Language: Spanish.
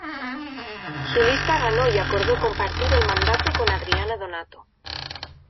Su lista ganó y acordó compartir el mandato con Adriana Donato.